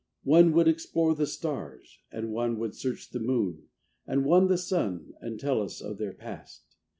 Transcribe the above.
One would explore the stars; and one Would search the moon and one the sun And tell us of their past.